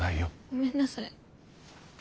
ごめんなさい。